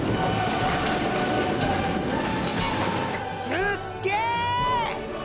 すっげえ！